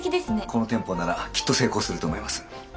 この店舗ならきっと成功すると思います。